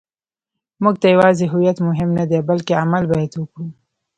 موږ ته یوازې هویت مهم نه دی، بلکې عمل باید وکړو.